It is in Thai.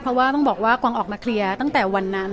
เพราะว่าต้องบอกว่ากวางออกมาเคลียร์ตั้งแต่วันนั้น